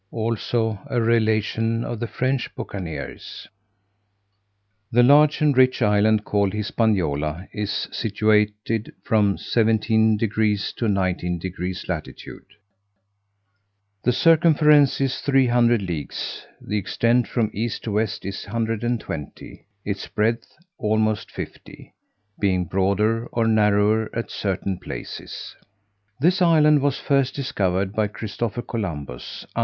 Also a Relation of the French Buccaneers._ THE large and rich island called Hispaniola is situate from 17 degrees to 19 degrees latitude; the circumference is 300 leagues; the extent from east to west 120; its breadth almost 50, being broader or narrower at certain places. This island was first discovered by Christopher Columbus, A.D.